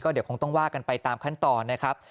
เดี๋ยวคงต้องว่ากันไปตามขั้นตอนนะครับ